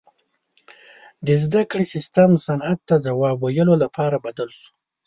• د زدهکړې سیستم صنعت ته ځواب ویلو لپاره بدل شو.